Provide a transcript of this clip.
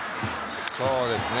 そうですね。